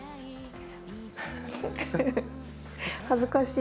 恥ずかしい。